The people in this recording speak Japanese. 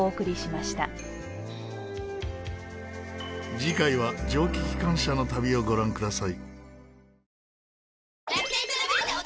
次回は蒸気機関車の旅をご覧ください。